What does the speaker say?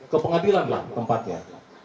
ke pengadilan lah tempatnya